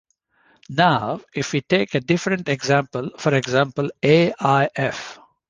Now, if we take a different example, for example AlF.